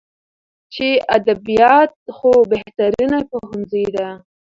چې ادبيات خو بهترينه پوهنځۍ ده.